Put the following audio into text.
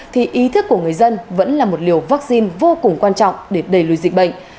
thì ý thức của người dân vẫn là một liều vaccine vô cùng quan trọng để đẩy lùi dịch bệnh